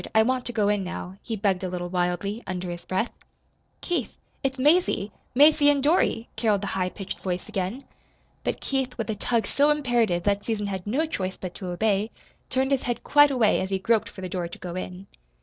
I want to go in now," he begged a little wildly, under his breath. "Keith, it's Mazie Mazie and Dorothy," caroled the high pitched voice again. But Keith, with a tug so imperative that Susan had no choice but to obey, turned his head quite away as he groped for the door to go in.